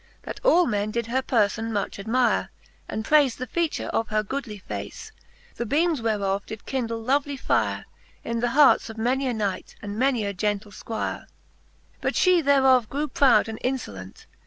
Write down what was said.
That all men did her perfon much admire, And praife the feature of her goodly face, The beames whereof did kindle lovely fire In th' harts of many a Knight, and many a gentle Squire.. XXIX. But fhe thereof grew proud and infolent.